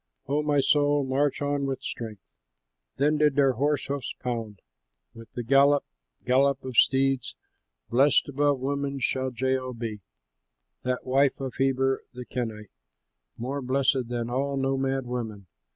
O my soul, march on with strength! Then did their horse hoofs pound With the gallop, gallop of steeds. "Blessed above women shall Jael be, That wife of Heber, the Kenite, More blessed than all nomad women!